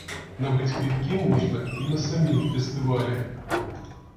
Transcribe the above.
Набыць квіткі можна і на самім фестывалі.